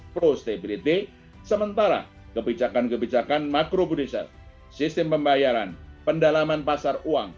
prostabilitas sementara kebijakan kebijakan makro bundesia sistem pembayaran pendalaman pasar uang